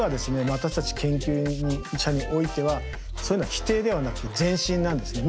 私たち研究者においてはそういうのは否定ではなくて前進なんですね。